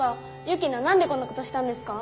雪菜何でこんなことしたんですか？